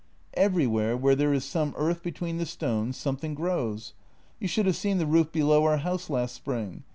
" Everywhere, where there is some earth between the stones, something grows. You should have seen the roof below our house last spring.